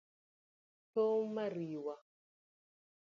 Tho mariwa;